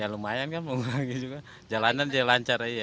ya lumayan kan mengurangi juga jalanan dia lancar aja